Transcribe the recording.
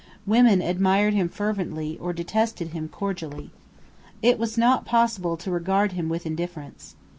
Women admired him fervently or detested him cordially. It was not possible to regard him with indifference.